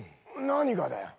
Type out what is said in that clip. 何がだよ？